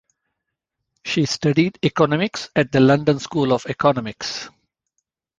She studied economics at the London School of Economics.